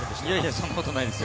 そんなことはないですよ。